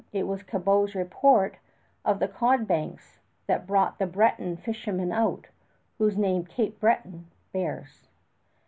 It was Cabot's report of the cod banks that brought the Breton fishermen out, whose name Cape Breton bears.